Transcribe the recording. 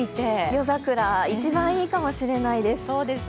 夜桜、一番いいかもしれないです